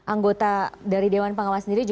anggota dari dewan pengawas sendiri